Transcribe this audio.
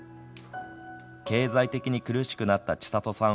経済的に苦しくなったちさとさん